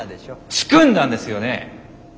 仕組んだんですよね？